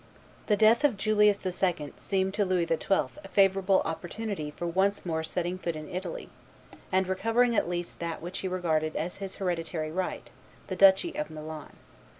The death of Julius II. seemed to Louis XII. a favorable opportunity for once more setting foot in Italy, and recovering at least that which he regarded as his hereditary right, the duchy of Milan.